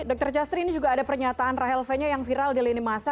dr jastri ini juga ada pernyataan rahel fenya yang viral di lini masa